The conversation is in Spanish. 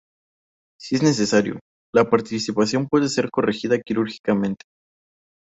Si es necesario, la partición puede ser corregida quirúrgicamente.